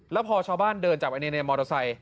แล้วพอชาวบ้านเดินตัวเงียบในนานมอโตไซต์